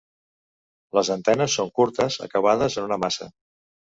Les antenes són curtes acabades en una maça.